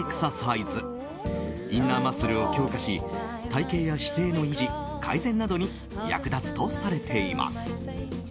インナーマッスルを強化し体形や姿勢の維持・改善などに役立つとされています。